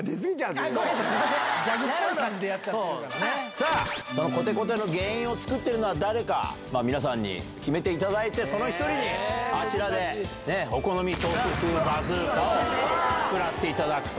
さあ、こてこての原因を作っているのは誰か、皆さんに決めていただいて、その１人にあちらでお好みソース風バズーカを食らっていただくと。